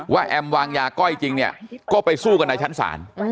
แอมวางยาก้อยจริงเนี่ยก็ไปสู้กันในชั้นศาล